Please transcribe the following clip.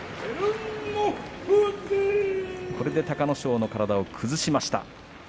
これで隆の勝の体を崩しました。